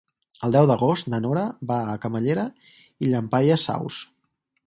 El deu d'agost na Nora va a Camallera i Llampaies Saus.